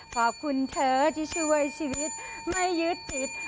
ขอบคุณเธอที่ช่วยชีวิตไม่ยึดติด